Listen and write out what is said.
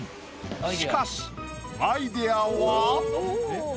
しかしアイディアは。